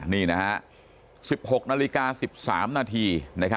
นี่นะฮะ๑๖นาฬิกา๑๓นาที